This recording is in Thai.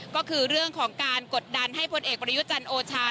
ก็คือเรื่องของการกดดันให้พลเอกประยุจันทร์โอชา